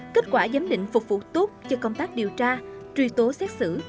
kết quả giám định phục vụ tốt cho công tác điều tra truy tố xét xử